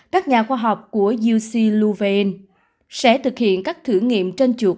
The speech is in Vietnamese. các nhà khoa học của uc louven sẽ thực hiện các thử nghiệm trên chuột